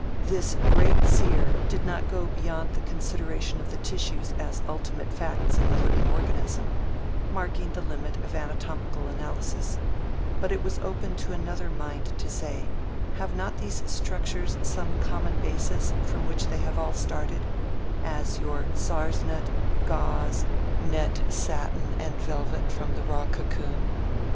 This great seer did not go beyond the consideration of the tissues as ultimate facts in the living organism, marking the limit of anatomical analysis; but it was open to another mind to say, have not these structures some common basis from which they have all started, as your sarsnet, gauze, net, satin, and velvet from the raw cocoon?